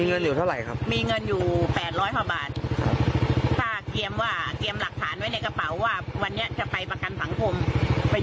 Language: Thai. เอารถไปด้วยปะครับ